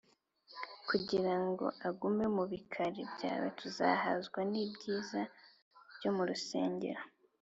Kugira ngo agume mu bikari byawe Tuzahazwa ni ibyiza byo murusengero